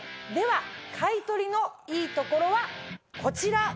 では買い取りのいいところはこちら。